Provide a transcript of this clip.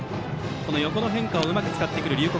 この横の変化をうまく使ってくる龍谷